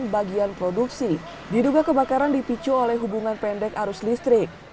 bagian produksi diduga kebakaran dipicu oleh hubungan pendek arus listrik